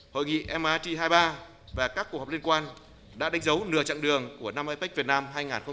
hội nghị mit hai mươi ba và các cuộc họp liên quan đã đánh dấu nửa chặng đường của năm apec việt nam hai nghìn một mươi bảy